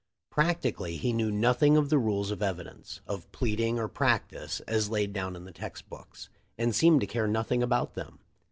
Practically he knew nothing of the rules of evidence, of pleading, or practice, as laid down in the text books, and seemed to care nothing about them.